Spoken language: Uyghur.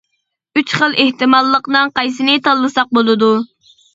ئۈچ خىل ئېھتىماللىقنىڭ قايسىنى تاللىساق بولىدۇ.